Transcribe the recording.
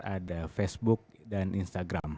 ada facebook dan instagram